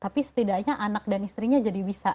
tapi setidaknya anak dan istrinya jadi bisa